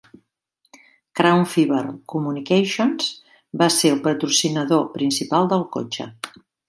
Crown Fiber Communications va ser el patrocinador principal del cotxe.